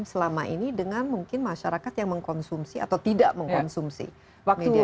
selama ini dengan mungkin masyarakat yang mengkonsumsi atau tidak mengkonsumsi media